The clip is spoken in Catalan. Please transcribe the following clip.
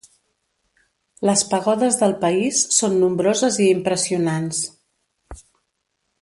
Les pagodes del país són nombroses i impressionants.